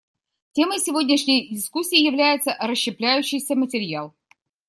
Темой сегодняшней дискуссии является расщепляющийся материал.